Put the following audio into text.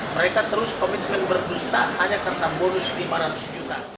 mereka terus komitmen berdusta hanya karena bonus lima ratus juta